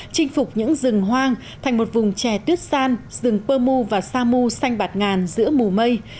chinh phục những rừng hoang thành một vùng trẻ tuyết san rừng pơ mu và sa mu xanh bạt ngàn giữa mù mây